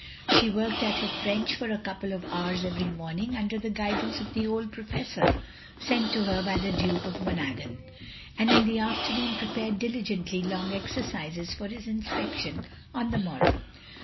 She worked at her French for a couple of hours every morning under the guidance of the old professor sent to her by the Duke of Monaghan, and in the afternoon prepared diligently long exercises for his inspection on the morrow.